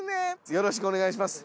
よろしくお願いします